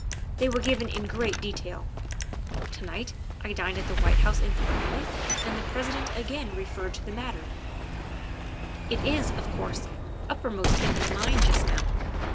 They were given in great detail. To night I dined at the White House informally and the President again referred to the matter; it is, of course, uppermost in his mind just now.